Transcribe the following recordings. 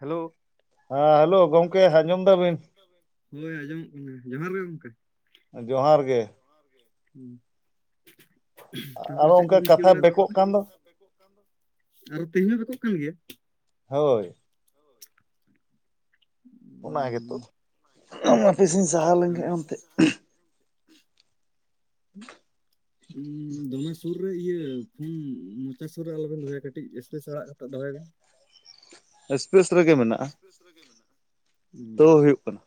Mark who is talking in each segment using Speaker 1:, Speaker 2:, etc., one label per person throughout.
Speaker 1: Hello.
Speaker 2: ᱦᱮᱸ hello ᱜᱚᱝᱠᱮ ᱟᱸᱡᱚᱢ ᱫᱟᱵᱤᱱ?
Speaker 1: ᱦᱳᱭ ᱟᱸᱚᱢᱚᱜ ᱠᱟᱱᱟ ᱡᱚᱦᱟᱨ ᱜᱮ ᱜᱚᱝᱠᱮ᱾
Speaker 2: ᱡᱚᱦᱟᱨ ᱜᱮ᱾
Speaker 1: [inaudible] ᱛᱟᱨᱯᱚᱨᱮ
Speaker 2: ᱟᱨᱚ
Speaker 1: ᱪᱮᱫ
Speaker 2: ᱚᱱᱠᱟ
Speaker 1: ᱠᱚᱵᱤᱱ ᱠᱟᱹᱢᱤ
Speaker 2: ᱠᱟᱛᱷᱟ
Speaker 1: ᱵᱟᱲᱟᱭᱫᱟ ᱚᱲᱟᱜ
Speaker 2: ᱵᱮᱠᱚᱜ
Speaker 1: ᱨᱮ?
Speaker 2: ᱠᱟᱱ ᱫᱚ
Speaker 1: ᱟᱨᱚ ᱛᱮᱦᱤᱧ ᱦᱚᱸ ᱮᱠᱳᱜ ᱠᱟᱱ ᱜᱮᱭᱟ?
Speaker 2: ᱦᱳᱭ᱾
Speaker 1: ᱦᱳᱭ᱾
Speaker 2: ᱚᱱᱟ ᱜᱮᱛᱚ ᱦᱟᱯᱤ ᱥᱤᱧ ᱥᱟᱦᱟᱣ ᱞᱮᱱᱠᱷᱟᱱ ᱚᱱᱛᱮ ᱾
Speaker 1: ᱦᱮᱸ᱾ ᱫᱚᱢᱮ ᱥᱩᱨ ᱨᱮ ᱤᱭᱟᱹ ᱯᱷᱩᱱ ᱢᱚᱪᱟ ᱥᱩᱨ ᱨᱮ ᱟᱞᱚᱵᱮᱱ ᱫᱚᱦᱚᱭᱟ ᱠᱟᱹᱴᱤᱡ ᱮᱥᱯᱮᱥ ᱟᱲᱟᱜ ᱠᱟᱛᱮ ᱫᱚᱦᱚᱭ ᱵᱤᱱ᱾
Speaker 2: ᱮᱥᱯᱮᱥ ᱨᱮᱜᱮ ᱢᱮᱱᱟᱜᱼᱟ᱾
Speaker 1: ᱮᱥᱯᱮᱥ ᱨᱮᱜᱮ ᱢᱮᱱᱟᱜᱼᱟ᱾
Speaker 2: ᱛᱟᱣ ᱦᱩᱭᱩᱜ ᱠᱟᱱᱟ᱾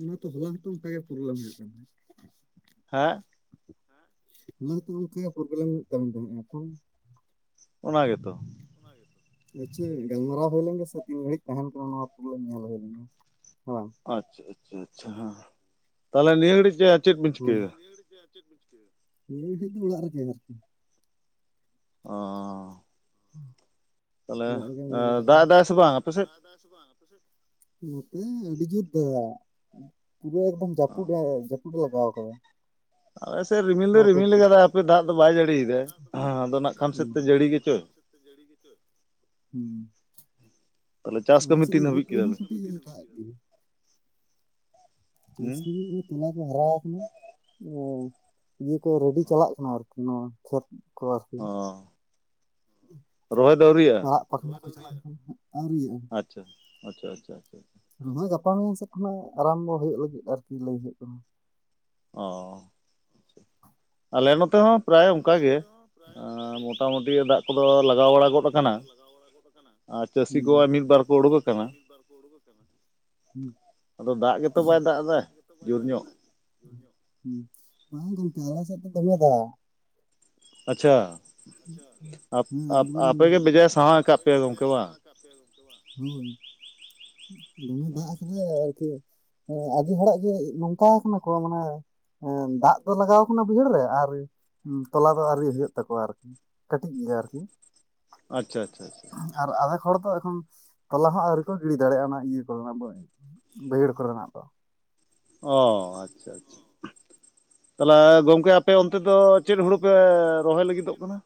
Speaker 1: ᱚᱱᱟ ᱛᱚ ᱦᱚᱞᱟ ᱦᱚᱸᱛᱚ ᱚᱱᱠᱟᱜᱮ ᱯᱨᱚᱵᱽᱞᱮᱢ ᱦᱩᱭᱩᱜ ᱠᱟᱱᱟ ᱛᱟᱦᱮᱸᱱᱟ᱾
Speaker 2: ᱦᱮᱸ
Speaker 1: ᱦᱚᱞᱟ ᱦᱚᱛᱚ ᱜᱚᱢᱠᱮ ᱯᱨᱚᱵᱞᱮᱢ ᱦᱩᱭᱩᱜ ᱠᱟᱱ ᱛᱟᱦᱮᱸᱜᱼᱟᱛᱚ?
Speaker 2: ᱚᱱᱟ ᱜᱮᱛᱚ᱾
Speaker 1: ᱟᱪᱪᱷᱟ ᱜᱟᱞᱢᱟᱨᱟᱣ ᱦᱩᱭ ᱞᱮᱱᱜᱮ ᱥᱮ ᱛᱤᱱ ᱜᱷᱟᱹᱲᱤᱡ ᱛᱟᱦᱮᱸᱱ ᱠᱟᱱᱟ ᱱᱚᱣᱟ ᱯᱨᱚᱵᱞᱮᱢ ᱧᱮᱞ ᱦᱩᱭ ᱞᱮᱱᱜᱮ᱾ ᱦᱚᱸ᱾
Speaker 2: ᱟᱪᱪᱷᱟ ᱟᱪᱪᱷᱟ ᱟᱪᱪᱷᱟ ᱦᱮᱸ ᱛᱟᱦᱚᱞᱮ ᱱᱤᱭᱟᱹ ᱜᱷᱟᱹᱲᱤᱡ ᱪᱮᱫ ᱵᱤᱱ
Speaker 1: ᱦᱳᱭ
Speaker 2: ᱪᱤᱠᱟᱹᱭᱮᱫᱟ
Speaker 1: ᱱᱤᱭᱮ ᱜᱷᱟᱹᱨᱤᱡ ᱫᱚ ᱚᱲᱟᱜ ᱨᱮ ᱜᱮ ᱟᱨᱠᱤ᱾
Speaker 2: ᱚ᱾ ᱛᱟᱦᱚᱞᱮ
Speaker 1: ᱚᱲᱟᱜ ᱨᱮᱜᱮ ᱢᱮᱱᱟᱜᱼᱟ ᱠᱟᱜ
Speaker 2: ᱫᱟᱜ
Speaker 1: ᱞᱤᱧᱟ᱾
Speaker 2: ᱮᱫᱟᱭ ᱥᱮ ᱵᱟᱝ ᱟᱯᱮ ᱥᱮᱫ
Speaker 1: ᱱᱚᱛᱮ ᱟᱹᱰᱤ ᱡᱳᱨ ᱫᱟᱜ᱾ ᱯᱩᱨᱟᱹ ᱮᱠᱫᱚᱢ ᱡᱟᱹᱯᱩᱫ ᱮ ᱡᱟᱹᱯᱩᱫ ᱮ ᱞᱟᱜᱟᱣ ᱠᱟᱫᱟ᱾
Speaker 2: ᱟᱞᱮᱥᱮᱫ ᱨᱤᱢᱤᱞ ᱫᱚᱭ
Speaker 1: ᱱᱚᱣᱟ ᱯᱮ
Speaker 2: ᱨᱤᱢᱤᱞ ᱠᱟᱫ ᱦᱟᱯᱮ ᱫᱟᱜ ᱫᱚ ᱵᱟᱭ ᱡᱟᱹᱲᱤᱭᱫᱟᱭ ᱟᱫᱚ ᱱᱟᱜ ᱠᱷᱟᱱ ᱥᱮᱫ ᱛᱮ ᱡᱟᱹᱲᱤ ᱜᱮᱪᱚᱭ᱾
Speaker 1: ᱦᱩᱸ᱾
Speaker 2: ᱛᱟᱦᱚᱞᱮ ᱪᱟᱥ
Speaker 1: ᱟᱯᱮ
Speaker 2: ᱠᱟᱹᱢᱤ ᱛᱤᱱ
Speaker 1: ᱥᱮᱫ
Speaker 2: ᱦᱟᱹᱵᱤᱡ ᱠᱮᱫᱟ
Speaker 1: [unintelligible]
Speaker 2: ᱵᱤᱱ
Speaker 1: ᱫᱟᱜ ᱮᱜ ᱜᱮᱭᱟᱭ᱾ ᱪᱟᱥ
Speaker 2: ᱦᱩᱸ
Speaker 1: ᱠᱟᱹᱢᱤ [inaudible] ᱛᱚᱞᱟ ᱠᱚ ᱦᱟᱨᱟ ᱠᱟᱱᱟ ᱚ ᱤᱭᱟᱹ ᱠᱚ ᱨᱮᱰᱤ ᱪᱟᱞᱟᱜ ᱠᱟᱱᱟ ᱟᱨᱠᱤ ᱱᱚᱣᱟ ᱠᱷᱮᱛ ᱠᱚ ᱟᱨᱠᱤ᱾
Speaker 2: ᱚ
Speaker 1: [inaudible]
Speaker 2: ᱨᱚᱦᱚᱭ ᱫᱚ ᱟᱹᱣᱨᱤᱭᱟᱜᱼᱟ?
Speaker 1: [unintelligible] ᱟᱹᱣᱨᱤᱭᱟᱜᱼᱟ᱾
Speaker 2: ᱟᱪᱪᱷᱟ ᱟᱪᱪᱷᱟ ᱟᱪᱪᱷᱟ ᱟᱪᱪᱷᱟ᱾
Speaker 1: ᱨᱚᱦᱚᱭ ᱜᱟᱯᱟ ᱢᱮᱭᱟᱝ ᱥᱮᱫ ᱠᱷᱚᱱᱟᱜ ᱟᱨᱟᱢᱵᱚ ᱦᱩᱭᱩᱜ ᱞᱟᱹᱜᱤᱫ ᱟᱨᱠᱤ ᱞᱟᱹᱭ ᱦᱩᱭᱩᱜ ᱠᱟᱱᱟ᱾
Speaker 2: ᱚᱸ ᱟᱞᱮ ᱱᱚᱛᱮ ᱦᱚᱸ ᱯᱨᱟᱭ ᱚᱱᱠᱟ
Speaker 1: ᱟᱞᱮ
Speaker 2: ᱜᱮ
Speaker 1: ᱱᱚᱛᱮ ᱦᱚᱸ ᱯᱨᱟᱭ ᱚᱱᱠᱟ ᱜᱮ
Speaker 2: ᱢᱚᱴᱟᱢᱩᱴᱤ ᱫᱟᱜ ᱠᱚᱫᱚ ᱞᱟᱜᱟᱣ
Speaker 1: ᱢᱚᱴᱟᱢᱩᱴᱤ
Speaker 2: ᱵᱟᱲᱟ
Speaker 1: ᱫᱟᱜ
Speaker 2: ᱜᱚᱫ
Speaker 1: ᱠᱚᱫᱚ
Speaker 2: ᱟᱠᱟᱱᱟ
Speaker 1: ᱞᱟᱜᱟᱣ ᱵᱟᱲᱟ ᱜᱚᱫ ᱟᱠᱟᱱᱟ
Speaker 2: ᱟᱨ ᱪᱟᱹᱥᱤ
Speaker 1: ᱦᱩᱸ
Speaker 2: ᱠᱚ ᱢᱤᱫ ᱵᱟᱨ
Speaker 1: ᱟᱨ
Speaker 2: ᱠᱚ
Speaker 1: ᱪᱟᱹᱥᱤ
Speaker 2: ᱩᱰᱩᱠ ᱟᱠᱟᱱᱟ
Speaker 1: ᱠᱚᱣᱟᱜ ᱢᱤᱫ ᱵᱟᱨ ᱠᱚ ᱩᱰᱩᱠ ᱟᱠᱟᱱᱟ᱾ ᱦᱩᱸ
Speaker 2: ᱟᱫᱚ ᱫᱟᱜ ᱜᱮᱛᱚ ᱵᱟᱭ
Speaker 1: ᱟᱫᱚ
Speaker 2: ᱮᱫᱟ
Speaker 1: ᱫᱟᱜ ᱜᱮᱛᱚ ᱵᱟᱭ
Speaker 2: ᱡᱳᱨ
Speaker 1: ᱫᱟᱜ
Speaker 2: ᱧᱚᱜ
Speaker 1: ᱮᱫᱟ ᱵᱟᱝ ᱜᱚᱢᱠᱮ ᱟᱞᱮ ᱥᱮᱫ ᱫᱚ ᱫᱚᱢᱮ ᱫᱟᱜ
Speaker 2: ᱟᱪᱪᱷᱟ
Speaker 1: [unintelligible]
Speaker 2: ᱟᱯᱮ ᱜᱮ ᱵᱮᱡᱟᱭ ᱥᱟᱦᱟᱣ ᱟᱠᱟᱫ ᱯᱮᱭᱟ ᱜᱚᱢᱠᱮ ᱵᱟᱝ
Speaker 1: ᱦᱳᱭ ᱫᱚᱢᱮ ᱫᱟᱜ ᱟᱠᱟᱫᱟᱭ ᱟᱨᱠᱤ ᱮ ᱟᱹᱰᱤ ᱦᱚᱲᱟᱜ ᱜᱮ ᱱᱚᱝᱠᱟ ᱠᱟᱱᱟ ᱠᱚ ᱢᱟᱱᱮ ᱫᱟᱜ ᱫᱚ ᱞᱟᱜᱟᱣ ᱠᱟᱱᱟ ᱵᱟᱹᱭᱦᱟᱹᱲ ᱨᱮ ᱟᱨ ᱛᱚᱞᱟ ᱫᱚ ᱟᱹᱣᱨᱤ ᱦᱩᱭᱩᱜ ᱛᱟᱠᱚᱣᱟ ᱟᱨ ᱠᱟᱹᱴᱤᱡ ᱜᱮᱭᱟ ᱟᱨᱠᱤ
Speaker 2: ᱟᱪᱪᱷᱟ ᱟᱪᱪᱷᱟ ᱟᱪᱪᱷᱟ
Speaker 1: ᱟᱨ ᱟᱫᱮᱠ ᱦᱚᱲ ᱫᱚ ᱮᱠᱷᱚᱱ ᱛᱚᱞᱟ ᱦᱚᱸ ᱟᱹᱣᱨᱤ ᱠᱚ ᱜᱤᱲᱤ ᱫᱟᱲᱮᱭᱟᱜᱼᱟ ᱚᱱᱟ ᱤᱭᱟᱹ ᱠᱚᱨᱮ ᱵᱟᱹᱭᱦᱟᱹᱲ ᱠᱚᱨᱮᱱᱟᱜ ᱫᱚ
Speaker 2: ᱚᱸ, ᱛᱟᱦᱚᱞᱮ ᱜᱚᱝᱠᱮ ᱟ ᱟᱯᱮ ᱚᱱᱛᱮ ᱫᱚ ᱪᱮᱫ ᱦᱳᱲᱳ ᱯᱮ, ᱨᱚᱦᱚᱭ ᱞᱟᱹᱜᱤᱫᱚᱜ ᱠᱟᱱᱟ?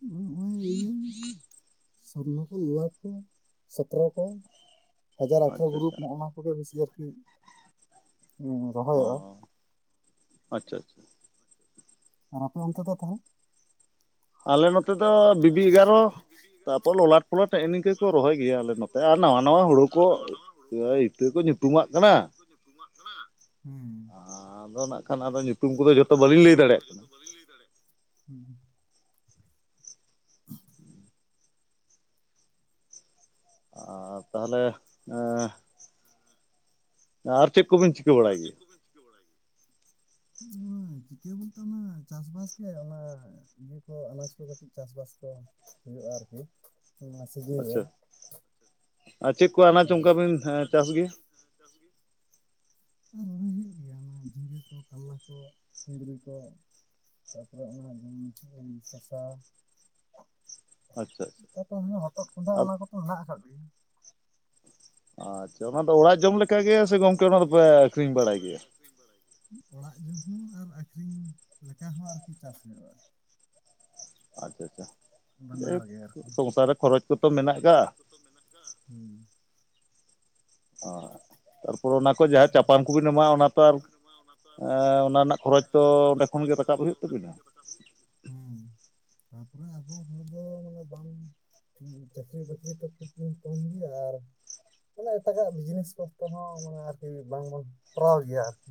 Speaker 1: [unintelligible] [inaudible] ᱥᱚᱨᱱᱚ ᱠᱚ ᱱᱚᱣᱟ ᱠᱚ, ᱥᱚᱛᱮᱨᱚ ᱠᱚ ᱦᱟᱡᱟᱨ ᱟᱴᱷᱨᱚ,
Speaker 2: ᱟᱪᱪᱷᱟ
Speaker 1: ᱜᱨᱩᱯ
Speaker 2: ᱟᱪᱪᱷᱟ
Speaker 1: ᱱᱚᱜᱼᱱᱟ ᱠᱚ᱾ ᱠᱚᱜᱮ ᱵᱮᱥᱤ ᱟᱨᱠᱤ
Speaker 2: ᱚ
Speaker 1: ᱨᱚᱦᱚᱭᱚᱜᱼᱟ᱾
Speaker 2: ᱟᱪᱪᱷᱟ ᱟᱪᱪᱷᱟ᱾
Speaker 1: ᱟᱨ ᱟᱯᱮ ᱚᱱᱛᱮ ᱫᱚ ᱛᱟᱦᱚᱞᱮ?
Speaker 2: ᱟᱞᱮ ᱱᱚᱛᱮ ᱫᱚ ᱵᱤᱵᱤ ᱮᱜᱟᱨᱚ᱾ ᱛᱟᱯᱚᱨ ᱞᱚᱞᱟᱴ ᱯᱚᱞᱟᱴ ᱱᱮᱜᱼᱮ ᱱᱤᱝᱟᱹ, ᱠᱚ ᱨᱚᱦᱚᱭ ᱜᱮᱭᱟ ᱟᱞᱮ ᱱᱚᱛᱮ, ᱟᱨ ᱱᱟᱣᱟ ᱱᱟᱣᱟ ᱦᱳᱲᱳ ᱠᱚ ᱤᱛᱟᱹ ᱠᱚ ᱧᱩᱛᱩᱢ᱾
Speaker 1: ᱤᱛᱟᱹ ᱠᱚ ᱧᱩᱛᱩᱢᱟᱜ ᱠᱟᱱᱟ, ᱦᱩ
Speaker 2: ᱟᱫᱚ ᱱᱟᱜ ᱠᱷᱟᱱ ᱟᱫᱚ ᱧᱩᱛᱩᱢ, ᱠᱚᱫᱚ ᱡᱚᱛᱚ
Speaker 1: ᱠᱟ
Speaker 2: ᱵᱟᱹᱞᱤᱧ ᱞᱟᱹᱭ
Speaker 1: ᱧᱩᱛᱩᱢ ᱠᱚ,
Speaker 2: ᱫᱟᱲᱮᱭᱟᱜ
Speaker 1: ᱡᱚᱛ
Speaker 2: ᱠᱟᱱᱟ
Speaker 1: ᱵᱟᱞᱤᱧ ᱞᱟᱹᱭ ᱫᱟᱲᱮ ᱠᱟᱱᱟ᱾
Speaker 2: ᱟᱨ ᱛᱟᱦᱚᱞᱮ, ᱮᱸ ᱟᱨ ᱪᱮᱫ ᱠᱚᱵᱤᱱ ᱪᱤᱠᱟᱹ ᱵᱟᱲᱟᱭ ᱜᱮᱭᱟ?
Speaker 1: ᱩᱢ ᱪᱤᱠᱟᱹ ᱵᱚᱞᱛᱮ ᱚᱱᱟ ᱪᱟᱥ ᱵᱟᱥ ᱜᱮ ᱚᱱᱟ᱾ ᱤᱭᱟᱹ ᱠᱚ ᱟᱱᱟᱪ ᱠᱚ ᱠᱟᱹᱴᱤᱡ ᱪᱟᱥ ᱵᱟᱥ ᱠᱚ ᱦᱩᱭᱩᱜᱼᱟ, ᱟᱨᱠᱤ ᱱᱚᱣᱟ ᱥᱤᱡᱤᱱ ᱨᱮ᱾
Speaker 2: ᱟᱪᱪᱷᱟ ᱟᱨ ᱪᱮᱫ ᱠᱚ ᱟᱱᱟᱪ ᱚᱱᱠᱟ ᱵᱤᱱ, ᱪᱟᱥ ᱜᱮᱭᱟ?
Speaker 1: ᱪᱟᱥ ᱜᱮ, ᱟᱨ ᱨᱚᱦᱚᱭ ᱦᱩᱭᱩᱜ ᱜᱮᱭᱟ ᱚᱱᱟ, ᱡᱷᱤᱸᱜᱟᱹ ᱠᱚ, ᱠᱟᱨᱞᱟ ᱠᱚ, ᱠᱩᱸᱫᱽᱨᱤ ᱠᱚ᱾ ᱛᱟᱨ ᱯᱚᱨᱮ ᱚᱱᱟ ᱥᱚᱥᱟ᱾
Speaker 2: ᱟᱪᱪᱷᱟ
Speaker 1: ᱦᱚᱛᱚᱛ ᱠᱚᱸᱰᱷᱟ ᱚᱱᱟ
Speaker 2: ᱟᱪᱪᱷᱟ
Speaker 1: ᱠᱚᱛᱚ, ᱢᱮᱱᱟᱜ ᱟᱠᱟᱫ ᱜᱮ᱾
Speaker 2: ᱟᱪᱪᱷᱟ ᱚᱱᱟ ᱫᱚ ᱚᱲᱟᱜ ᱡᱚᱢ ᱞᱮᱠ ᱜᱮ, ᱥᱮ ᱜᱚᱝᱠᱮ ᱚᱱᱟ ᱫᱚᱯᱮ ᱟᱹᱷᱨᱤᱧ ᱵᱟᱲᱟᱭ ᱜᱮᱭᱟ?
Speaker 1: ᱚᱲᱟᱜ ᱡᱚᱢ ᱦᱚᱸ, ᱟᱨ ᱟᱹᱠᱷᱨᱤᱧᱟ ᱞᱮᱠᱟ ᱦᱚᱸ, ᱟᱨᱠᱤ ᱪᱟᱥ ᱦᱩᱭᱩᱜᱼᱟ᱾
Speaker 2: ᱟᱪᱪᱷᱟ ᱟᱪᱪᱷᱟ, ᱡᱟᱭ
Speaker 1: ᱵᱟᱱᱟᱨ
Speaker 2: ᱦᱳᱠ
Speaker 1: ᱜᱮ
Speaker 2: ᱥᱚᱝᱥᱟᱨ ᱨᱮ, ᱠᱷᱚᱨᱚᱪ ᱠᱚᱛᱚ ᱢᱮᱱᱟᱜ ᱠᱟᱜᱼᱟ᱾
Speaker 1: ᱠᱚ ᱢᱮᱱᱟᱜ ᱠᱟᱜᱼᱟ, ᱦᱩ᱾
Speaker 2: ᱚ, ᱛᱟᱨ ᱯᱚᱨ ᱚᱱᱟ ᱠᱷᱚᱡ ᱡᱟᱦᱟᱸ ᱪᱟᱯᱟᱱ ᱠᱚᱵᱤᱱ ᱮᱢᱟᱜᱼᱟ, ᱚᱱᱟ ᱛᱚ ᱟᱨ ᱮᱸ ᱚᱱᱟ ᱨᱮᱱᱟᱜ ᱠᱷᱚᱨᱚᱪ ᱛᱚ, ᱚᱸᱰᱮ ᱠᱷᱚᱱ ᱜᱮ ᱨᱟᱠᱟᱵ ᱦᱩᱭᱩᱜ ᱛᱟᱵᱤᱱᱟ᱾
Speaker 1: ᱦᱮᱸ ᱛᱟᱨ ᱯᱚᱨᱮ ᱟᱵᱚ ᱦᱚᱲ ᱫᱚ, ᱵᱟᱝ ᱪᱟᱹᱠᱨᱤ ᱵᱟᱹᱠᱨᱤ ᱛᱚ, ᱠᱷᱩᱵ ᱠᱚᱢ ᱜᱮᱭᱟ᱾ ᱟᱨ ᱢᱟᱱᱮ ᱮᱴᱟᱜᱟᱜ ᱵᱤᱡᱽᱱᱮᱥ ᱠᱚᱛᱚ ᱦᱚᱸ, ᱢᱟᱱᱮ ᱟᱨᱠᱤ ᱵᱟᱝᱵᱚᱱ ᱠᱚᱨᱟᱣ ᱜᱮᱭᱟ ᱟᱨᱠᱤ᱾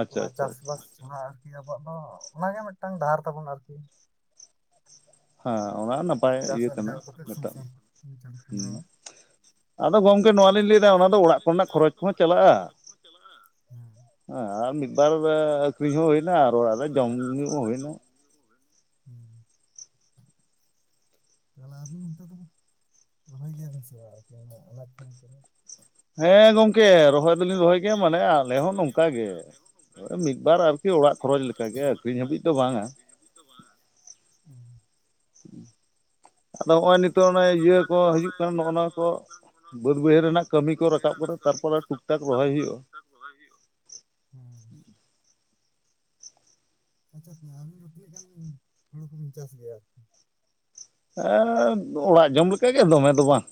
Speaker 2: ᱟᱪᱪᱷᱟ
Speaker 1: ᱚᱱᱟ
Speaker 2: ᱟᱪᱪᱷᱟ
Speaker 1: ᱪᱟᱥ
Speaker 2: ᱟᱪᱪᱷᱟ
Speaker 1: ᱵᱟᱥ ᱚᱱᱟ ᱟᱨᱠᱤ ᱟᱵᱚᱣᱟᱜ ᱫᱚ, ᱚᱱᱟᱜᱮ ᱢᱤᱫᱴᱟᱝ ᱰᱟᱦᱟᱨ ᱛᱟᱵᱚᱱ ᱟᱨᱠᱤ᱾
Speaker 2: ᱦᱮᱸ ᱚᱱᱟ ᱦᱚ ᱱᱟᱯᱟᱭ
Speaker 1: ᱪᱟᱥ
Speaker 2: ᱤᱭᱟᱹ ᱠᱟᱱᱟ,
Speaker 1: ᱟᱨᱡᱟᱣ ᱠᱟᱛᱮᱫ
Speaker 2: ᱢᱤᱫᱴᱟᱝ
Speaker 1: ᱥᱚᱝᱥᱟᱨ ᱪᱟᱞ
Speaker 2: ᱦᱩᱸ᱾
Speaker 1: ᱠᱷᱟᱸᱰᱟᱣᱟ
Speaker 2: ᱟᱫᱚ ᱜᱚᱝᱠᱮ ᱱᱚᱣᱟ ᱞᱤᱧ ᱞᱟᱹᱭᱮ ᱫᱟ ᱚᱱᱟ ᱫᱚ ᱚᱲᱟᱜ ᱠᱚᱨᱮᱱᱟᱜ ᱠᱷᱚᱨᱚᱪ ᱠᱚᱦᱚᱸ ᱪᱟᱞᱟᱜᱼᱟ᱾
Speaker 1: ᱪᱟᱞᱟᱜ-ᱟ ᱦᱮᱸ
Speaker 2: ᱦᱮᱸ ᱟᱨ ᱢᱤᱫ ᱵᱟᱨ ᱟᱠᱷᱨᱤᱧ ᱦᱚᱸ ᱦᱳᱭᱱᱟ ᱟᱨ ᱚᱲᱟᱜ ᱨᱮ ᱡᱚᱢ ᱧᱩ ᱦᱚᱸ ᱦᱳᱭᱱᱟ᱾
Speaker 1: [inaudible] [inaudible] ᱛᱟᱦᱚᱞᱮ ᱟᱹᱵᱤᱱ ᱱᱤᱛᱚᱜ ᱫᱚ ᱨᱚᱦᱚᱭ ᱜᱮᱭᱟ ᱵᱤᱱ ᱥᱮ ᱵᱟᱝ ᱟᱨᱠᱤ ᱚᱱᱟ ᱟᱱᱟᱪ ᱠᱚ?
Speaker 2: ᱦᱮᱸ ᱜᱚᱝᱠᱮ ᱨᱚ ᱨᱚᱦᱚᱭ ᱫᱚᱞᱤᱧ ᱨᱚᱦᱚᱭ ᱜᱮᱭᱟ ᱢᱟᱱᱮ ᱟᱞᱮ ᱦᱚᱸ ᱱᱚᱝᱠᱟ ᱜᱮ ᱢᱤᱫ ᱵᱟᱨ ᱟᱨᱠᱤ ᱚᱲᱟᱜ ᱠᱷᱚᱨᱚᱪ ᱞᱮᱠᱟ ᱜᱮ᱾
Speaker 1: ᱠᱷᱚᱨᱚᱪ ᱞᱮᱠᱟ ᱜᱮ ᱟᱠᱷᱨᱤᱧ ᱞᱟᱹᱜᱤᱫ ᱫᱚ ᱵᱟᱝ᱾
Speaker 2: ᱟᱫᱚ ᱱᱚᱜᱼᱚᱭ ᱱᱤᱛ ᱛᱚ ᱚᱱᱮ ᱤᱭᱟᱹ ᱠᱚ ᱦᱤᱡᱩᱜ ᱠᱟᱱᱟ ᱱᱚᱜᱼᱚ ᱱᱚᱣᱟ ᱠᱚ ᱵᱟᱹᱫᱽ ᱵᱟᱹᱭᱦᱟᱹᱲ ᱨᱮᱱᱟᱜ ᱠᱟᱹᱢᱤ ᱠᱚ ᱨᱟᱠᱟᱵ ᱠᱟᱱᱟ ᱛᱟᱨ ᱯᱚᱨᱮ ᱴᱩ -ᱴᱟᱠ ᱨᱚᱦᱚᱭ ᱦᱩᱭᱩᱜᱼᱟ᱾
Speaker 1: ᱨᱚᱦᱚᱭ ᱦᱩᱭᱩᱜᱼᱟ᱾ ᱦᱮᱸ ᱟᱪᱪᱷᱟ ᱟᱵᱤᱱ ᱫᱚ ᱛᱤᱱᱟᱹᱜ ᱜᱟᱱ ᱦᱩᱲᱩ ᱠᱚᱵᱤᱱ ᱪᱟᱥ ᱜᱮᱭᱟ?
Speaker 2: ᱮ ᱚᱲᱟᱜ ᱡᱚᱢ ᱞᱮᱠᱟ ᱜᱮ ᱫᱚᱢᱮ ᱫᱚ ᱵᱟᱝ᱾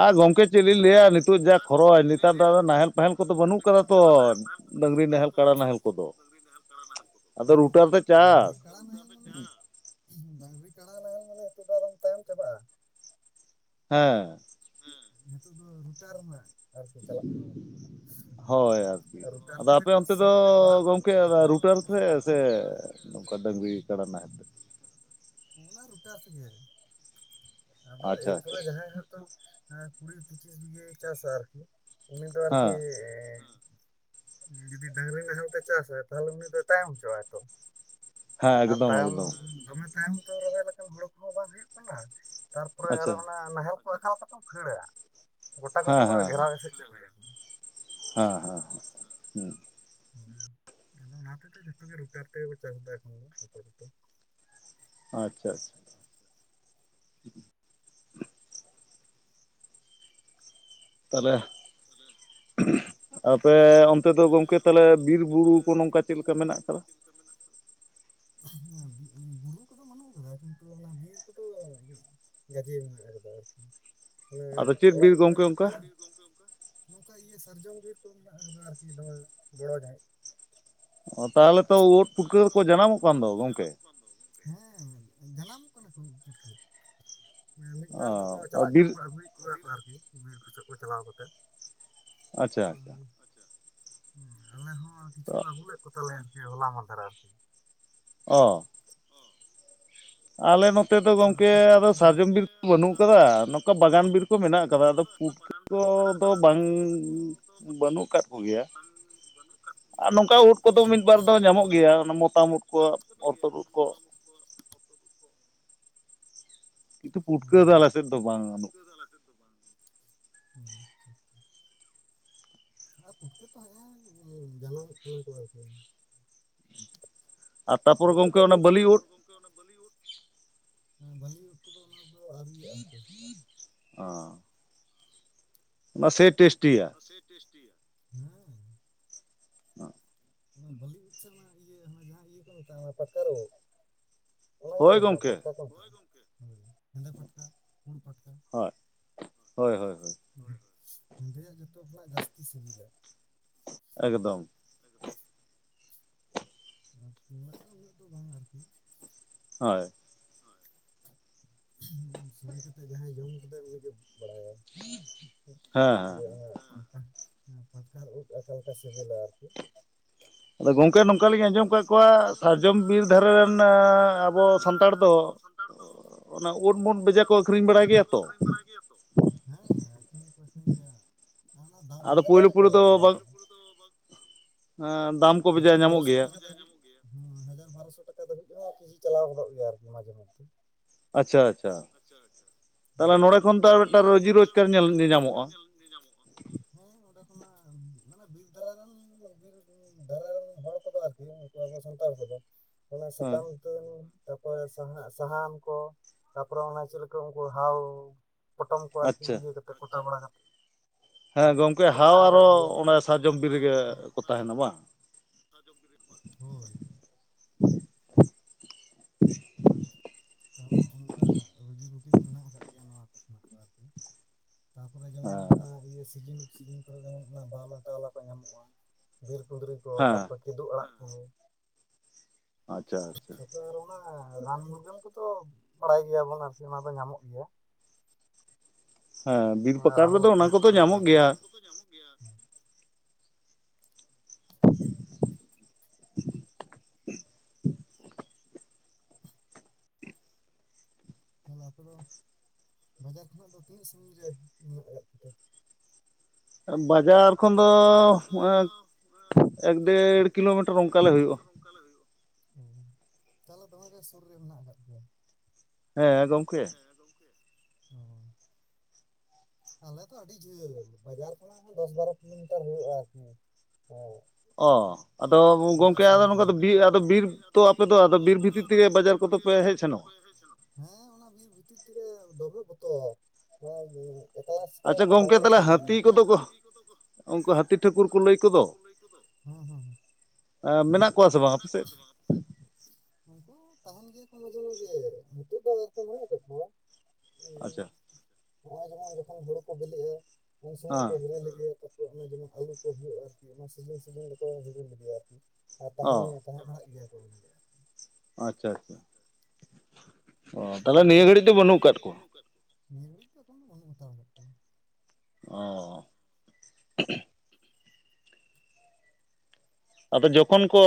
Speaker 2: ᱟᱨ ᱜᱚᱢᱠᱮ ᱪᱮᱫ ᱞᱤᱧ ᱞᱟᱹᱭᱟ ᱱᱤᱛᱚᱜ ᱡᱟ ᱠᱷᱚᱨᱚᱪ ᱱᱮᱛᱟᱨ ᱫᱚ ᱟᱫᱚ ᱱᱟᱦᱮᱞ ᱱᱟᱦᱮᱞ ᱠᱚᱫᱚ ᱵᱟᱹᱱᱩᱜ-
Speaker 1: ᱱᱤᱛᱚᱜ
Speaker 2: ᱠᱟᱫᱟ
Speaker 1: ᱡᱟ
Speaker 2: ᱛᱚ
Speaker 1: ᱱᱟᱦᱮᱞ ᱱᱟᱦᱮᱞ ᱠᱚᱫᱚ ᱵᱟᱹᱱᱩᱜ
Speaker 2: ᱰᱟᱹᱝᱨᱤ
Speaker 1: ᱠᱟᱫᱟ
Speaker 2: ᱱᱟᱦᱮᱞ
Speaker 1: ᱛᱚ
Speaker 2: ᱠᱟᱲᱟ ᱱᱟᱦᱮᱞ ᱠᱚᱫᱚ
Speaker 1: ᱰᱟᱹᱝᱨᱤ ᱱᱟᱦᱮᱞ ᱠᱟᱲᱟ ᱱᱟᱦᱮᱞ ᱠᱚᱫᱚ᱾
Speaker 2: ᱟᱫᱚ ᱨᱩᱴᱟᱨ ᱛᱮ ᱪᱟᱥ᱾
Speaker 1: ᱰᱟᱹᱝᱨᱤ ᱠᱟᱲᱟ ᱱᱟᱦᱮᱞ ᱢᱟᱱᱮ ᱱᱤᱛᱩᱜ ᱫᱚ ᱟᱨᱚᱢ ᱛᱟᱭᱚᱢ ᱪᱟᱵᱟᱜᱼᱟ᱾
Speaker 2: ᱦᱮᱸ
Speaker 1: ᱱᱤᱛᱚᱜ ᱫᱚ ᱨᱩᱴᱟᱨ ᱨᱮᱱᱟᱜ ᱟᱨᱠᱤ ᱪᱟᱞᱟᱜ ᱠᱟᱱᱟ᱾
Speaker 2: ᱦᱳᱭ
Speaker 1: ᱨᱩᱴᱟᱨ
Speaker 2: ᱟᱫᱚ
Speaker 1: ᱛᱮᱜᱮ
Speaker 2: ᱟᱯᱮ
Speaker 1: ᱠᱚ
Speaker 2: ᱚᱱᱛᱮ ᱫᱚ
Speaker 1: ᱥᱤᱭᱮᱫᱟ ᱯᱟᱲᱟᱜ ᱫᱟᱠᱚ
Speaker 2: ᱜᱚᱝᱠᱮ
Speaker 1: ᱯᱟᱴᱱᱟᱭ ᱫᱟᱠᱚ
Speaker 2: ᱨᱩᱴᱟᱨ ᱛᱮ
Speaker 1: ᱞᱚᱥᱚᱫ ᱫᱟᱠᱚ
Speaker 2: ᱥᱮ ᱱᱚᱝᱠᱟ ᱰᱟᱹᱝᱨᱤ? ᱠᱟᱲᱟ ᱱᱟᱦᱮᱞ
Speaker 1: ᱚᱱᱟ ᱨᱩᱴᱟ ᱛᱮᱜᱮ ᱟᱫᱚ
Speaker 2: ᱟᱪᱪᱷᱟ
Speaker 1: ᱮᱨᱯᱚᱨᱮ
Speaker 2: ᱟᱪᱪᱷᱟ
Speaker 1: ᱡᱟᱦᱟᱸᱭ ᱦᱚᱸᱛᱚ ᱦᱮᱸ ᱠᱩᱲᱤ ᱯᱩᱪᱤᱥ ᱵᱤᱜᱮ ᱪᱟᱥᱟ ᱟᱨᱠᱤ ᱩᱱᱤ ᱫᱚ
Speaker 2: ᱦᱮᱸ
Speaker 1: ᱟᱨᱠᱤ ᱡᱩᱫᱤ ᱰᱟᱝᱨᱤ ᱱᱟᱦᱮᱞ ᱛᱮ ᱪᱟᱥᱟ ᱛᱟᱦᱚᱞᱮ ᱩᱱᱤ ᱫᱚ ᱛᱟᱭᱚᱢ ᱦᱚᱪᱚᱣᱟᱭ ᱛᱚ
Speaker 2: ᱦᱮᱸ
Speaker 1: ᱟᱨ
Speaker 2: ᱮᱠᱫᱚᱢ
Speaker 1: ᱛᱟᱭᱚᱢ
Speaker 2: ᱮᱠᱫᱚᱢ
Speaker 1: ᱫᱚᱢᱮ ᱛᱟᱭᱚᱢ ᱛᱚ ᱨᱚᱦᱚᱭ ᱞᱮᱠᱟᱱ ᱦᱩᱲᱩ ᱠᱚᱦᱚᱸ ᱵᱟᱝ ᱦᱩᱭᱩᱜ ᱠᱟᱱᱟ ᱛᱟᱨᱯᱚᱨᱮ ᱟᱨᱚ
Speaker 2: ᱟᱪᱪᱷᱟ
Speaker 1: ᱚᱱᱟ ᱱᱟᱦᱮᱞ ᱠᱚ [unintelligible] ᱠᱷᱟᱹᱲᱟ ᱜᱚᱴᱟ ᱠᱚᱛᱚ
Speaker 2: ᱦᱮᱸ
Speaker 1: ᱠᱚ
Speaker 2: ᱦᱮᱸ
Speaker 1: ᱜᱷᱮᱨᱟᱣ ᱮᱥᱮᱜ ᱞᱮ ᱞᱟᱹᱭᱟ᱾
Speaker 2: ᱦᱮᱸ ᱦᱮᱸ᱾
Speaker 1: ᱦᱮᱸ ᱟᱫᱚ ᱚᱱᱟ ᱛᱮᱫᱚ ᱡᱚᱛᱚ ᱜᱮ ᱨᱩᱴᱟᱨ ᱛᱮᱜᱮᱠᱚ ᱪᱟᱥ ᱮᱫᱟ ᱮᱠᱷᱚᱱ [unintelligible]
Speaker 2: ᱟᱪᱪᱷᱟ ᱟᱪᱪᱷᱟ᱾ ᱛᱟᱞᱦᱮ
Speaker 1: ᱛᱟᱞᱮ
Speaker 2: ᱟᱯᱮ ᱚᱱᱛᱮ ᱫᱚ ᱜᱚᱝᱠᱮ ᱛᱟᱦᱚᱞᱮ ᱵᱤᱨ ᱵᱩᱨᱩ ᱠᱚ ᱱᱚᱝᱠᱟ ᱪᱮᱫᱞᱮᱠᱟ ᱢᱮᱱᱟᱜ ᱟᱠᱟᱫᱟ?
Speaker 1: ᱢᱮᱱᱟᱜ ᱠᱟᱫᱟ ᱦᱮ ᱵᱩᱨᱩ ᱠᱚᱫᱚ ᱵᱟᱹᱱᱩᱜ ᱠᱟᱫᱟ ᱠᱤᱱᱛᱩ ᱚᱱᱟ ᱵᱤᱨ ᱠᱚᱫᱚ- ᱜᱟᱹᱡᱮ ᱢᱮᱱᱟᱜ ᱟᱠᱟᱫᱟ ᱟᱨᱠᱤ ᱢᱟᱱᱮ
Speaker 2: ᱟᱫᱚ ᱪᱮᱫ
Speaker 1: ᱚᱲᱟᱜ
Speaker 2: ᱵᱤᱨ ᱜᱚᱝᱠᱮ ᱚᱱᱠᱟ
Speaker 1: ᱠᱷᱚᱱᱟᱜ [unintelligible] ᱱᱚᱝᱠᱟ ᱤᱭᱟᱹ ᱥᱟᱨᱡᱚᱢ ᱵᱤᱨ ᱠᱚ ᱢᱮᱱᱟᱜ ᱟᱠᱟᱫᱟ ᱟᱨᱠᱤ ᱱᱚᱣᱟ ᱵᱚᱲᱚ ᱡᱟᱦᱟᱸᱭ
Speaker 2: ᱚ ᱛᱟᱦᱚᱞᱮ ᱛᱚ ᱳᱴ ᱯᱷᱩᱠᱟᱹ ᱠᱚ ᱡᱟᱱᱟᱢᱚᱜ ᱠᱟᱱ ᱫᱚ ᱜᱚᱝᱠᱮ᱾
Speaker 1: ᱦᱮᱸ ᱡᱟᱱᱟᱢᱚᱜ ᱠᱟᱱᱟ ᱠᱚ ᱯᱩᱴᱠᱟᱹ᱾ ᱮᱸ ᱢᱤᱫ ᱵᱟᱨ ᱫᱚᱠᱚ
Speaker 2: ᱚ
Speaker 1: ᱪᱟᱞᱟᱜ ᱠᱟᱱᱟ
Speaker 2: ᱵᱤᱨ
Speaker 1: ᱠᱚ ᱟᱜᱩᱭ- ᱟᱹᱜᱩᱭᱟ ᱠᱩ ᱟᱨᱠᱤ ᱵᱤᱨ ᱠᱚ ᱥᱮᱫ ᱠᱚ ᱪᱟᱞᱟᱣ ᱠᱟᱛᱮ ᱾ ᱦᱩᱸ ᱟᱪᱪᱷᱟ᱾ ᱟᱞᱮ ᱦᱚᱸ ᱟᱨ ᱠᱤᱪᱷᱩ
Speaker 2: ᱛᱚ
Speaker 1: ᱠᱚ ᱟᱹᱜᱩ ᱞᱮᱫ ᱠᱚ ᱛᱟᱞᱮᱭᱟ ᱟᱨᱠᱤ ᱦᱚᱞᱟ ᱢᱟᱫᱷᱮᱨ ᱟᱨᱠᱤ ᱾
Speaker 2: ᱚ, ᱟᱞᱮ ᱱᱚᱛᱮ ᱫᱚ
Speaker 1: ᱟᱞᱮ
Speaker 2: ᱜᱚᱝᱠᱮ
Speaker 1: ᱱᱚᱛᱮ
Speaker 2: ᱟᱫᱚ
Speaker 1: ᱫᱚ
Speaker 2: ᱥᱟᱨᱡᱚᱢ
Speaker 1: ᱜᱚᱝᱠᱮ
Speaker 2: ᱵᱤᱨ ᱠᱚ
Speaker 1: ᱟᱫᱚ
Speaker 2: ᱵᱟᱹᱱᱩᱜ
Speaker 1: ᱥᱟᱨᱡᱚᱢ
Speaker 2: ᱟᱠᱟᱫᱟ,
Speaker 1: ᱵᱤᱨ
Speaker 2: ᱱᱚᱝᱠᱟ ᱵᱟᱜᱟᱱ ᱵᱤᱨ ᱠᱚ ᱠᱚ ᱢᱮᱱᱟᱜ ᱠᱟᱫᱟ, ᱟᱫᱚ ᱯᱩᱴᱠᱟᱹ ᱠᱚᱫᱚ ᱵᱟᱝ ᱵᱟᱹᱱᱩᱜ ᱠᱟᱫ ᱠᱚᱜᱮᱭᱟ ᱾ ᱟᱨ ᱱᱚᱝᱠᱟ ᱩᱴ ᱠᱚᱫᱚ ᱢᱤᱫ-ᱵᱟᱨ ᱫᱚ ᱧᱟᱢᱚᱜ ᱜᱮᱭᱟ ᱢᱚᱛᱟᱢ ᱩᱫᱽ ᱠᱚ ᱚᱨᱛᱚᱨ ᱩᱫᱽ ᱠᱚ᱾ ᱠᱤᱛᱩ ᱯᱴᱠᱟᱹ ᱫᱚ ᱟᱞᱮᱥᱮᱜ ᱫᱚ ᱵᱟᱝ
Speaker 1: ᱟᱞᱮ ᱥᱮᱫ ᱫᱚ ᱵᱟᱝ, [inaudible] ᱟᱨ ᱯᱩᱴᱠᱟᱹ ᱛᱚ ᱦᱮᱜᱼᱮ ᱡᱟᱱᱟᱢᱚᱜ ᱠᱟᱱᱟ ᱠᱚ ᱟᱨᱠᱤ ᱾
Speaker 2: ᱟᱨ ᱛᱟᱯᱚᱨᱮ
Speaker 1: [inaudible] ᱚᱱᱮ
Speaker 2: ᱜᱚᱝᱠᱮ
Speaker 1: ᱵᱟᱹᱞᱤ
Speaker 2: ᱚᱱᱟ ᱩᱫ
Speaker 1: ᱩᱴ ᱵᱚᱞᱤᱣᱩᱰ ᱠᱚᱫᱚ ᱚᱱᱟ ᱫᱚ ᱟᱹᱨᱤᱭᱟᱜᱼᱟ ᱟᱨᱠᱤ ᱾
Speaker 2: ᱚ ᱥᱮᱭ ᱴᱮᱥᱴᱤ,
Speaker 1: ᱥᱮ ᱴᱮᱥᱴᱤᱭᱟ ᱦᱩᱸ ᱾
Speaker 2: [unintelligible]
Speaker 1: ᱚᱱᱟ ᱵᱟᱹᱞᱤ ᱩᱪᱮ ᱚᱱᱟ ᱤᱭᱟᱹ ᱚᱱᱟ ᱡᱟᱦᱟᱸ ᱤᱭᱟᱹ ᱠᱚ ᱢᱮᱛᱟᱜᱼᱟ, ᱚᱱᱟ ᱯᱟᱴᱠᱟᱨ ᱳᱰ ᱚᱱᱟ ᱜᱮᱛᱚ
Speaker 2: ᱦᱳᱭ
Speaker 1: ᱠᱚ ᱢᱮᱛᱟᱜ-ᱟ
Speaker 2: ᱜᱚᱝᱠᱮ
Speaker 1: ᱯᱟᱴᱠᱟ ᱠᱚ ᱦᱳᱭ ᱜᱚᱢᱠᱮ ᱦᱮᱸᱫᱮ ᱯᱟᱴᱠᱟ ᱯᱩᱲ ᱯᱟᱴᱠᱟ ᱾
Speaker 2: ᱦᱳᱭ ᱦᱳᱭ ᱦᱳᱭ,
Speaker 1: ᱦᱳᱭ ᱦᱳᱭ ᱦᱮᱸᱫᱮᱭᱟᱜ ᱡᱚᱛᱚ ᱠᱷᱚᱡ ᱡᱟᱹᱥᱛᱤ ᱥᱤᱵᱤᱞᱟ ᱾
Speaker 2: ᱮᱠᱫᱚᱢ,
Speaker 1: ᱮᱠᱫᱚᱢ, ᱛᱩᱢᱟᱜ ᱫᱚ ᱩᱱᱟᱹᱜ ᱫᱚ ᱵᱟᱝ ᱟᱨᱠᱤ ᱾
Speaker 2: ᱦᱳᱭ,
Speaker 1: ᱦᱳᱭ ᱥᱳᱲᱮ ᱠᱟᱛᱮᱜ ᱡᱟᱦᱟᱸᱭ ᱡᱚᱢ ᱠᱟᱫᱟᱭ ᱩᱱᱤᱜᱮ ᱵᱟᱲᱟᱭᱟ ᱾
Speaker 2: [inaudible] ᱦᱮᱸ ᱦᱮᱸ
Speaker 1: [inaudible] ᱯᱟᱴᱠᱟᱨ ᱩᱫᱽ ᱚᱞᱮᱠᱟ ᱥᱤᱵᱤᱞᱟ ᱟᱨᱠᱤ ᱾
Speaker 2: ᱟᱫᱚ ᱜᱚᱝᱠᱮ ᱱᱚᱝᱠᱟ ᱞᱤᱧ
Speaker 1: ᱟᱫᱚ
Speaker 2: ᱟᱸᱡᱚᱢ
Speaker 1: ᱜᱚᱝᱠᱮ
Speaker 2: ᱟᱠᱟᱫ ᱠᱚᱣᱟ
Speaker 1: ᱱᱚᱝᱠᱟᱞᱤᱧ ᱟᱸᱡᱚᱢ ᱠᱟᱜ
Speaker 2: ᱥᱟᱨᱡᱚᱢ
Speaker 1: ᱠᱚᱣᱟ,
Speaker 2: ᱵᱤᱨ ᱫᱷᱟᱨᱮ ᱨᱮᱱ
Speaker 1: ᱥᱟᱨᱡᱚᱢ ᱵᱤᱨ ᱫᱷᱟᱨᱮ ᱨᱮᱱ
Speaker 2: ᱟᱵᱚ ᱥᱟᱱᱛᱟᱲ ᱫᱚ
Speaker 1: ᱟᱵᱚ ᱥᱟᱱᱛᱟᱲ ᱛᱟᱲ ᱫᱚ
Speaker 2: ᱚᱱᱟ ᱩᱴ ᱢᱚᱱ ᱵᱮᱡᱟ ᱠᱚ ᱟᱹᱠᱷᱨᱤᱧ ᱵᱟᱲᱟᱭ ᱜᱮᱭᱟ ᱛᱚ,
Speaker 1: ᱦᱮᱸ [unintelligible] ᱠᱤᱨᱤᱧ ᱜᱮᱭᱟ, ᱚᱱᱟ
Speaker 2: ᱟᱫᱚ
Speaker 1: ᱫᱚᱢᱮ
Speaker 2: ᱯᱳᱭᱞᱳ
Speaker 1: ᱫᱟᱢ ᱛᱚ
Speaker 2: ᱯᱳᱭᱞᱳ
Speaker 1: [unintelligible]
Speaker 2: ᱦᱮᱸ, ᱫᱟᱢ ᱠᱚ ᱵᱮᱡᱟ
Speaker 1: ᱦᱟᱡᱟᱨ
Speaker 2: ᱧᱟᱢᱚᱜ
Speaker 1: ᱵᱟᱨᱳᱥᱚ [unintelligible]
Speaker 2: ᱜᱮᱭᱟ
Speaker 1: ᱵᱮᱡᱟᱭ ᱧᱟᱢᱚᱜ ᱜᱮᱭᱟ ᱾ ᱦᱮᱸ, ᱦᱟᱡᱟᱨ ᱵᱟᱨᱚᱥᱚ ᱴᱟᱠᱟ ᱫᱷᱟᱹᱵᱤᱡ ᱫᱚ ᱦᱟᱸᱜ ᱠᱮᱡᱤ ᱪᱟᱞᱟᱣ ᱜᱚᱫᱚᱜ ᱜᱮᱭᱟ, ᱟᱨᱠᱤ ᱢᱟᱡᱷᱮ ᱢᱚᱫᱽᱫᱷᱮ ᱾
Speaker 2: ᱟᱪᱪᱷᱟ ᱟᱪᱪᱷᱟ, ᱛᱟᱦᱚᱞᱮ
Speaker 1: ᱦᱮᱸ
Speaker 2: ᱱᱚᱲᱮ ᱠᱷᱚᱱ ᱛᱚ ᱟᱨ ᱢᱤᱫᱴᱟᱝ ᱨᱩᱡᱤ ᱨᱳᱡᱽᱜᱟᱨ ᱧᱮᱞ ᱧᱮᱧᱟᱢᱚᱜᱼᱟ ᱾
Speaker 1: ᱧᱟᱢᱚᱜᱼᱟ ᱦᱮᱸ ᱱᱚᱸᱰᱮ ᱠᱷᱚᱱᱟᱜ ᱢᱟᱱᱮ ᱵᱤᱨ ᱫᱷᱟᱨᱮ [inaudible] ᱫᱷᱟᱨᱮ ᱨᱮᱱ ᱦᱚᱲ ᱠᱚᱫᱚ ᱟᱨᱠᱤ ᱩᱱᱠᱩ ᱟᱵᱚ ᱥᱟᱱᱛᱟᱲ ᱠᱚᱫᱚ ᱾
Speaker 2: ᱦᱮᱸ
Speaker 1: ᱥᱟᱠᱟᱢ [unintelligible] ᱛᱟᱯᱚᱨᱮ ᱥᱟᱦᱟᱜ ᱥᱟᱦᱟᱱ ᱠᱚ, ᱛᱟᱯᱚᱨᱮ ᱚᱱᱟ ᱪᱮᱫ ᱞᱮᱠᱟ ᱩᱱᱠᱩ ᱦᱟᱣ ᱯᱚᱴᱚᱢ ᱠᱚ ᱟᱨᱠᱤ
Speaker 2: ᱟᱪᱪᱷᱟ
Speaker 1: ᱤᱭᱟᱹ ᱠᱟᱛᱮᱜ ᱠᱚᱴᱟ ᱵᱟᱲᱟ ᱠᱟᱛᱮᱜ
Speaker 2: ᱦᱮᱸ ᱜᱚᱝᱠᱮ ᱦᱟᱣ ᱟᱨᱚ
Speaker 1: ᱜᱮᱭᱟ
Speaker 2: ᱚᱱᱟ ᱥᱟᱨᱡᱚᱢ ᱵᱤᱨ ᱨᱮᱜᱮ ᱠᱚ ᱛᱟᱦᱮᱱᱟ ᱵᱟᱝ?
Speaker 1: ᱥᱟᱨᱡᱚᱢ ᱵᱤᱨ ᱨᱮᱢᱟ, ᱦᱳᱭ, ᱛᱟᱦᱚᱞᱮ ᱚᱱᱠᱟ ᱨᱩᱡᱤ ᱨᱩᱴᱤ ᱠᱚ ᱢᱮᱱᱟᱜ ᱠᱟᱜ ᱜᱮᱭᱟ ᱱᱚᱣᱟ ᱠᱚ ᱠᱷᱚᱱᱟᱜ ᱫᱚ ᱟᱨᱠᱤ ᱾ ᱛᱟᱯᱚᱨᱮ ᱡᱮᱢᱚᱱ
Speaker 2: ᱦᱮᱸ
Speaker 1: ᱚᱱᱟ ᱤᱭᱟᱹ ᱥᱤᱡᱤᱱ ᱥᱤᱡᱤᱱ ᱵᱟᱣᱞᱟ ᱴᱟᱟᱣᱞᱟ ᱠᱚ ᱧᱟᱢᱚᱜᱼᱟ, ᱵᱤᱨ ᱠᱩᱸᱫᱽᱨᱤ ᱠᱚ
Speaker 2: ᱦᱮᱸ
Speaker 1: ᱛᱟᱯᱚᱨ ᱠᱤᱫᱩᱜ ᱟᱲᱟᱜ ᱠᱚ ᱾
Speaker 2: ᱟᱪᱪᱷᱟ ᱟᱪᱪᱷᱟ
Speaker 1: [unintelligible] ᱨᱟᱱ ᱢᱩᱨᱜᱟᱹᱱ ᱠᱚᱫᱚ ᱵᱟᱲᱟᱭ ᱜᱮᱭᱟ ᱵᱚᱱ ᱟᱨᱠᱤ ᱚᱱᱟ ᱫᱚ ᱧᱟᱢᱚᱜ ᱜᱮᱭᱟ ᱾ [inaudible]
Speaker 2: ᱦᱮᱸ ᱵᱤᱨ
Speaker 1: ᱦᱮ
Speaker 2: ᱯᱟᱠᱟᱲ ᱨᱮᱫᱚ ᱚᱱᱟ ᱠᱚᱫᱚ
Speaker 1: ᱜᱚᱝᱠᱮ
Speaker 2: ᱧᱟᱢᱚᱜ ᱜᱮᱭᱟ
Speaker 1: ᱚᱱᱟ ᱠᱚᱫᱚ ᱧᱟᱢᱚᱜ ᱜᱮᱭᱟ ᱾
Speaker 2: [inaudible]
Speaker 1: ᱛᱟᱦᱚᱞᱮ ᱟᱯᱮ ᱫᱚ ᱵᱟᱡᱟᱨ ᱠᱷᱚᱱᱟᱜ ᱫᱚ ᱛᱤᱱ ᱥᱟᱺᱜᱤᱧ ᱨᱮ ᱚᱞᱚᱜ ᱠᱚᱫᱚ?
Speaker 2: ᱵᱟᱡᱟᱨ ᱠᱷᱚᱱ ᱫᱚ
Speaker 1: ᱵᱟᱡᱟᱨ ᱠᱷᱚᱱ ᱫᱚ,
Speaker 2: ᱮᱠ ᱰᱮᱲ
Speaker 1: ᱮᱠ
Speaker 2: ᱠᱤᱞᱳᱢᱤᱴᱟᱨ
Speaker 1: ᱰᱮᱲ
Speaker 2: ᱚᱱᱠᱟ ᱞᱮ ᱦᱩᱭᱩᱜᱼᱟ
Speaker 1: ᱠᱤᱞᱳᱢᱤᱴᱟᱨ ᱚᱱ ᱠᱟᱞᱮ ᱦᱩᱭᱩᱜᱼᱟ ᱾ ᱩᱸᱛᱟᱦᱞᱮ ᱫᱚᱢᱮ ᱜᱮ ᱥᱩᱨ ᱨᱮ ᱢᱮᱱᱟᱜ ᱟᱠᱟᱫ ᱯᱮᱭᱟ?
Speaker 2: ᱦᱮᱸ ᱜᱚᱝᱠᱮ᱾
Speaker 1: ᱦᱮᱸ ᱜᱚᱝᱠᱮ, ᱚ᱾ ᱟᱞᱮ ᱛᱚ ᱟᱹᱰᱤ ᱡᱷᱟᱹᱞ ᱵᱟᱡᱟᱨ ᱠᱷᱚᱱᱟᱜ ᱦᱚᱸ ᱫᱚᱥ ᱵᱟᱨᱚ ᱠᱤᱞᱳᱢᱤᱴᱟᱨ ᱦᱳᱭᱳᱜᱼᱟ ᱟᱨᱠᱤ, ᱦᱮᱸ ᱾
Speaker 2: ᱚ, ᱟᱫᱚ ᱜᱚᱝᱠᱮ ᱟᱫᱚ ᱱᱚᱠᱟ ᱫᱚ ᱵᱤᱨ ᱟᱫᱚ ᱵᱤᱨ ᱛᱚ ᱟᱯᱮᱫᱚ ᱟᱫᱚ ᱵᱤᱨ ᱵᱷᱤᱛᱤᱨ ᱛᱮᱜᱮ ᱵᱟᱡᱟᱨ ᱠᱚᱫᱚ
Speaker 1: ᱛᱮᱜᱮ
Speaker 2: ᱯᱮ
Speaker 1: ᱵᱟᱡᱟᱨ
Speaker 2: ᱦᱮᱡ
Speaker 1: ᱠᱚᱫᱚ ᱯᱮ
Speaker 2: ᱥᱮᱱᱚᱜᱼᱟ
Speaker 1: ᱦᱮᱡ ᱥᱮᱱᱚᱜ? ᱦᱮᱸ ᱚᱱᱟ ᱵᱤᱨ ᱵᱷᱤᱛᱤᱨ ᱛᱮᱜᱮ ᱫᱚᱢᱮ ᱵᱚᱛᱚᱨ᱾ [unintelligible] ᱮᱠᱞᱟ [unintelligible]
Speaker 2: ᱟᱪᱪᱷᱟ
Speaker 1: ᱛᱚ
Speaker 2: ᱜᱚᱝᱠᱮ
Speaker 1: ᱵᱟᱞᱮ
Speaker 2: ᱛᱟᱦᱚᱞᱮ
Speaker 1: ᱪᱟᱞᱟᱜ ᱜᱮᱭᱟ ᱾ ᱟᱪᱪᱷᱟ ᱜᱚᱝᱠᱮ
Speaker 2: ᱦᱟᱹᱛᱤ
Speaker 1: ᱛᱟᱦᱞᱮ
Speaker 2: ᱠᱚᱫᱚ ᱠᱚ
Speaker 1: ᱦᱟᱹᱛᱤ ᱠᱚᱫᱚ ᱠᱚ
Speaker 2: ᱩᱱᱠᱩ ᱦᱟᱹᱛᱤ ᱴᱷᱟᱹᱠᱩᱨ
Speaker 1: ᱩᱱᱠᱩ
Speaker 2: ᱠᱚ
Speaker 1: ᱦᱟᱹᱛᱤ
Speaker 2: ᱞᱟᱹᱭ
Speaker 1: ᱴᱷᱟᱹᱠᱩᱨ ᱠᱚ ᱞᱟᱹᱭ ᱠᱚᱫᱚ? ᱦᱩᱸ ᱦᱩᱸ ᱦᱩᱸ᱾
Speaker 2: ᱮᱸ ᱢᱮᱱᱟᱜ ᱠᱚᱣᱟ ᱥᱮ ᱵᱟᱝ ᱟᱯᱮ ᱥᱮᱫ?
Speaker 1: ᱩᱱᱠᱩ ᱛᱟᱦᱮᱱ ᱜᱮᱭᱟ ᱠᱚ ᱢᱟᱡᱷᱮ ᱢᱟᱡᱷᱮ᱾ [unintelligible]
Speaker 2: ᱟᱪᱪᱷᱟ᱾
Speaker 1: ᱱᱚᱜᱼᱚᱭ ᱡᱮᱢᱚᱱ ᱡᱚᱠᱷᱚᱱ ᱦᱩᱲᱩ ᱠᱚ ᱵᱤᱞᱤᱜᱼᱟ ᱩᱱ ᱥᱚᱢᱚᱭ ᱠᱚ
Speaker 2: ᱦᱮᱸ
Speaker 1: ᱦᱤᱨᱟᱹᱭ ᱞᱮᱜᱮᱭᱟ ᱛᱚ᱾ ᱡᱮᱢᱚᱱ ᱟᱹᱞᱩ ᱠᱚ ᱦᱩᱭᱩᱜᱼᱟ ᱟᱨᱠᱤ ᱚᱱᱟ ᱥᱤᱡᱤᱱ ᱥᱤᱡᱤᱱ ᱫᱚᱠᱚ ᱦᱤᱨᱤᱞᱮᱜᱮᱭᱟ ᱟᱨᱠᱤ ᱟᱨ
Speaker 2: ᱚ
Speaker 1: ᱛᱟᱦᱮᱱ ᱛᱟᱦᱮᱱ ᱱᱟᱦᱟᱜ ᱜᱮᱭᱟ ᱠᱚ ᱩᱱᱜᱮ᱾
Speaker 2: ᱟᱪᱪᱷᱟ ᱟᱪᱪᱷᱟ᱾ ᱚᱻ ᱛᱟᱦᱚᱞᱮ ᱱᱤᱭᱟᱹ ᱜᱷᱟᱹᱲᱤᱡ ᱫᱚ ᱵᱟᱹᱱᱩᱜ ᱠᱟᱛ ᱠᱚᱣᱟ?
Speaker 1: ᱱᱤᱭᱟᱹ ᱜᱷᱟᱹᱲᱤᱡ ᱫᱚ ᱮᱠᱷᱚᱱᱚ ᱵᱟᱹᱱᱩᱜ ᱦᱟᱛᱟᱲ ᱠᱟᱜ ᱠᱚᱣᱟ᱾
Speaker 2: ᱚᱸ᱾ ᱟᱫᱚ ᱡᱟ ᱠᱷᱚᱱ ᱠᱚ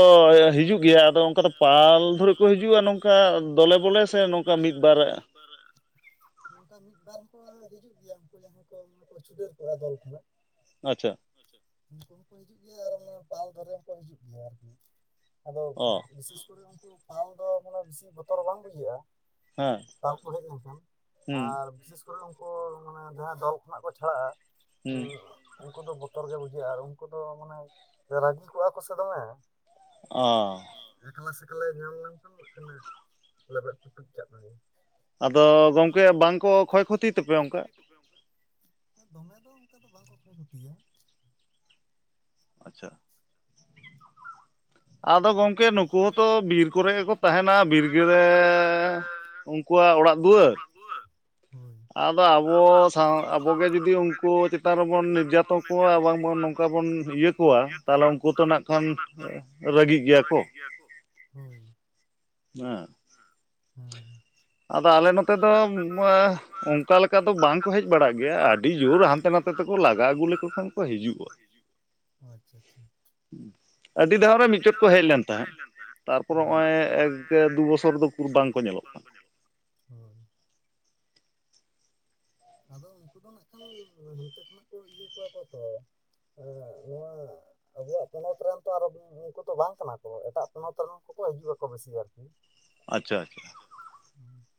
Speaker 2: ᱦᱤᱡᱩᱜ ᱜᱮᱭᱟ ᱟᱫᱚ ᱚᱱᱠᱟ ᱫᱚ ᱯᱟᱞ ᱫᱷᱚᱨᱤ ᱠᱚ ᱦᱤᱡᱩᱜᱼᱟ ᱱᱚᱝᱠᱟ ᱫᱚᱞᱮ ᱵᱚᱞᱮ ᱥᱮ ᱱᱚ
Speaker 1: [unintelligible] ᱥᱮ ᱱᱚᱝᱠᱟ ᱢᱤᱫ ᱵᱟᱨ? ᱱᱚᱝᱠᱟ ᱢᱤᱫᱵᱟᱨ ᱠᱚ ᱦᱤᱡᱩᱜ ᱜᱮᱭᱟ ᱩᱱᱠᱩ ᱡᱟᱦᱟᱸᱭ ᱠᱚ ᱪᱷᱩᱰᱟᱹᱨ ᱠᱚᱣᱟ ᱫᱚᱞ ᱠᱷᱚᱱᱟᱜ᱾
Speaker 2: ᱟᱪᱪᱷᱟ᱾
Speaker 1: ᱟᱪᱪᱷᱟ ᱩᱱᱠᱩ ᱦᱚᱸᱠᱚ ᱦᱤᱡᱩᱜ ᱜᱮᱭᱟ ᱟᱨ ᱚᱱᱟ ᱯᱟᱞ ᱫᱷᱟᱨᱮ ᱦᱚᱸᱠᱚ ᱦᱤᱡᱩᱜ ᱜᱮᱭᱟ ᱟᱨᱠᱤ᱾ ᱟᱫᱚ
Speaker 2: ᱚ
Speaker 1: ᱵᱤᱥᱮᱥ ᱠᱚᱨᱮ ᱩᱱᱠᱩ ᱯᱟᱞ ᱫᱚ ᱢᱟᱱᱮ ᱵᱮᱥᱤ ᱵᱚᱛᱚᱨ ᱵᱟᱝ ᱵᱩᱡᱷᱟᱹᱜᱼᱟ᱾
Speaker 2: ᱦᱮᱸ
Speaker 1: ᱯᱟᱞ ᱠᱚ ᱦᱮᱡ ᱞᱮᱱᱠᱷᱟᱱ
Speaker 2: ᱦᱩᱸ
Speaker 1: ᱟᱨ ᱵᱤᱥᱮᱥ ᱩᱱᱠᱩ ᱢᱟᱱᱮ ᱡᱟᱦᱟᱸ ᱫᱚ ᱠᱷᱚᱱᱟᱜ ᱠᱚ ᱪᱷᱟᱲᱟᱜᱼᱟ
Speaker 2: ᱦᱩᱸ
Speaker 1: ᱩᱱᱠᱩ ᱫᱚ ᱵᱚᱛᱚᱨ ᱜᱮ ᱵᱩᱡᱷᱟᱹᱜᱼᱟ ᱩᱱᱠᱩ ᱫᱚ ᱢᱟᱱᱮ ᱨᱟᱹᱜᱤ ᱠᱚᱜᱼᱟ ᱠᱚᱥᱮ ᱫᱚᱢᱮ᱾
Speaker 2: ᱚ᱾
Speaker 1: ᱮᱠᱞᱟᱥᱮᱠᱞᱟ ᱧᱟᱢ ᱞᱮᱱᱠᱷᱟᱱ ᱵᱟᱠᱷᱟᱱᱮ ᱞᱮᱵᱮᱫ ᱯᱩᱴᱩᱡ ᱠᱟᱜ ᱢᱮᱜᱮ᱾
Speaker 2: ᱟᱫᱚ ᱜᱚᱢᱠᱮ ᱵᱟᱝᱠᱚ ᱠᱷᱚᱭ ᱠᱷᱚᱛᱤ ᱛᱟᱯᱮᱭᱟ ᱚᱱᱠᱟ?
Speaker 1: ᱫᱚᱢᱮ ᱫᱚ ᱚᱝᱠᱟ ᱫᱚ ᱵᱟᱝᱠᱚ ᱠᱷᱚᱭ ᱠᱷᱚᱛᱤᱭᱟ᱾
Speaker 2: ᱟᱪᱪᱷᱟ᱾ ᱟᱫᱚ ᱜᱚᱝᱠᱮ ᱱᱩᱠᱩ ᱦᱚᱸᱛᱚ ᱵᱤᱨ ᱠᱚᱨᱮ ᱜᱮᱠᱚ ᱛᱟᱦᱮᱱᱟ ᱵᱤᱨᱜᱮ ᱠᱚᱣᱟᱜ ᱚᱲᱟᱜ ᱫᱩᱣᱟᱹᱨ?
Speaker 1: ᱦᱳᱭ᱾
Speaker 2: ᱟᱫᱚ ᱟᱵᱚ ᱥᱟᱶ ᱟᱵᱚᱜᱮ ᱡᱩᱫᱤ ᱩᱱᱠᱩ ᱪᱮᱛᱟᱱ ᱨᱮᱵᱚᱱ ᱱᱤᱨᱡᱟᱛᱚ ᱠᱚᱣᱟ ᱵᱟᱝᱵᱚᱱ ᱱᱚᱝᱠᱟ ᱵᱚᱱ ᱤᱭᱟᱹ ᱠᱚᱣᱟ ᱛᱟᱦᱚᱞᱮ ᱩᱱᱠᱩ ᱛᱚ ᱱᱟᱜ ᱠᱷᱟᱱ ᱨᱟᱹᱜᱤᱜ ᱜᱮᱭᱟ ᱠᱚ᱾
Speaker 1: ᱨᱟᱹᱜᱤ ᱜᱮᱭᱟ ᱠᱚ, ᱦᱳᱭ᱾
Speaker 2: [unintelligible]
Speaker 1: ᱦᱮᱸ ᱟᱫᱚ ᱟᱞᱮ ᱱᱚᱛᱮ ᱫᱚ ᱢᱟ ᱚᱱᱠᱟ ᱞᱮᱠᱟ ᱫᱚ ᱵᱟᱝᱠᱚ ᱦᱮᱡ ᱵᱟᱲᱟᱜ ᱜᱮᱭᱟ ᱟᱹᱰᱤ ᱡᱚᱠᱷᱚᱱ ᱦᱟᱱᱛᱮ ᱱᱟᱛᱮ ᱛᱮᱠᱚ ᱞᱟᱜᱟ ᱟᱹᱜᱩ ᱞᱮᱠᱚ ᱠᱷᱟᱱ ᱠᱚ ᱦᱤᱡᱩᱜ-ᱟ ᱟᱪᱪᱷᱟ ᱟᱪᱪᱷᱟ
Speaker 2: [inaudible] ᱟᱹᱰᱤ ᱫᱷᱟᱣ ᱨᱮ ᱢᱤᱫᱪᱚᱴ ᱠᱚ ᱦᱮᱡ ᱞᱮᱱ ᱛᱟᱦᱮᱸᱜ ᱛᱟᱨᱯᱚᱨᱮ
Speaker 1: ᱦᱮᱸ
Speaker 2: ᱦᱚᱜ-ᱚᱭ ᱮᱠ ᱫᱩ ᱵᱚᱥᱚᱨ ᱫᱚ ᱩᱠᱩᱨ ᱵᱟᱝᱠᱚ ᱧᱮᱞᱚᱜ
Speaker 1: ᱵᱟᱝ
Speaker 2: ᱠᱟᱱᱟ
Speaker 1: ᱠᱚ ᱧᱮᱞᱚᱜ ᱦᱳᱭ ᱟᱫᱚ ᱩᱱᱠᱩ ᱫᱚ ᱱᱟᱜ ᱠᱷᱟᱱ ᱱᱚᱱᱛᱮ ᱠᱷᱚᱱᱟᱜ ᱠᱚ ᱤᱭᱟᱹ ᱠᱚᱣᱟ ᱠᱚ ᱛᱚ ᱮᱜ ᱸ ᱱᱚᱣᱟ ᱟᱵᱩᱣᱟᱜ ᱯᱚᱱᱚᱛ ᱨᱮᱦᱚᱸ ᱛᱚ ᱟᱨᱚ ᱵᱤᱨ ᱩᱱᱠᱩ ᱛᱚ ᱵᱟᱝ ᱠᱟᱱᱟ ᱠᱚ ᱮᱴᱟᱜ ᱯᱚᱱᱚᱛ ᱨᱮᱱ ᱠᱚᱠᱚ ᱦᱤᱡᱩᱜ-ᱟ ᱠᱚ ᱵᱮᱥᱤ ᱟᱨᱠᱤ
Speaker 2: ᱟᱪᱪᱷᱟ ᱟᱪᱪᱷᱟ
Speaker 1: [inaudible]